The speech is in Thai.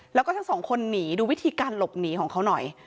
แล้วก็ทั้งสองคนหนีดูวิธีการหลบหนีของเขาหน่อย